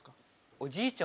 おじいちゃん